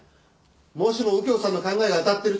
もしも右京さんの考えが当たってるとしたら。